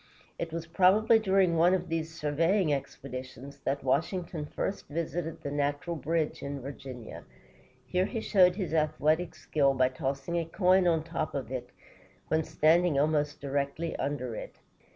It was probably during one of these surveying expeditions that Washington first visited the Natural Bridge in Virginia. Here he showed his athletic skill by tossing a coin on top of it when standing almost directly under it.